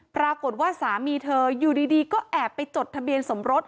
ปรากฏว่าสามีเธออยู่ดีก็แอบไปจดทะเบียนสมรส